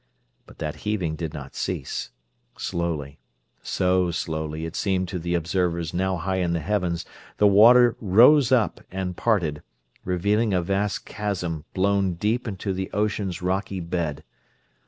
But that heaving did not cease. Slowly, so slowly it seemed to the observers now high in the heavens, the waters rose up and parted; revealing a vast chasm blown deep into the ocean's rocky bed.